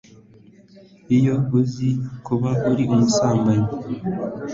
iyo iza kuba ari ubusambanyi